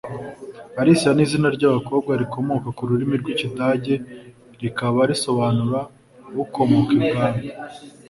Alicia ni izina ry’abakobwa rikomoka ku rurimi rw’Ikidage rikaba risobanura “ukomoka I bwami”